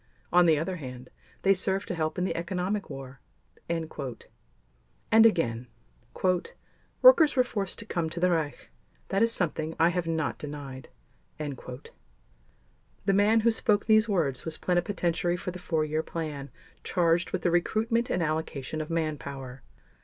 On the other hand, they served to help in the economic war." And again: "Workers were forced to come to the Reich. That is something I have not denied." The man who spoke these words was Plenipotentiary for the Four Year Plan charged with the recruitment and allocation of manpower.